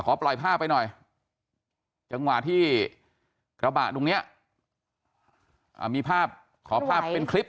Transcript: ปล่อยภาพไปหน่อยจังหวะที่กระบะตรงเนี้ยอ่ามีภาพขอภาพเป็นคลิป